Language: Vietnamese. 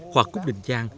hoặc cúc đình trang